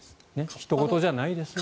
ひと事じゃないですよ。